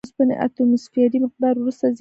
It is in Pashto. د اوسپنې اتوموسفیري مقدار وروسته زیات شوی.